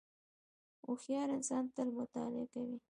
• هوښیار انسان تل مطالعه کوي.